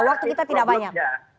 waktu kita tidak banyak